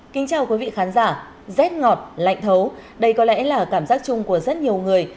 kính chào quý vị khán giả rét ngọt lạnh thấu đây có lẽ là cảm giác chung của rất nhiều người